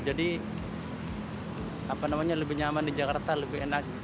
jadi apa namanya lebih nyaman di jakarta lebih enak